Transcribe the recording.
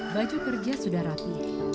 baju kerja sudah rapi